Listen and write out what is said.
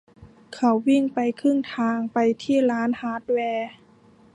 เขาวิ่งไปครึ่งทางไปที่ร้านฮาร์ดแวร์